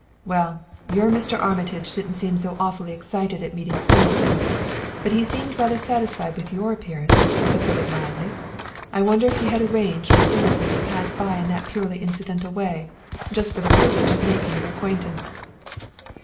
"Well, your Mr. Armitage didn't seem so awfully excited at meeting Singleton; but he seemed rather satisfied with your appearance, to put it mildly. I wonder if he had arranged with Singleton to pass by in that purely incidental way, just for the privilege of making your acquaintance!"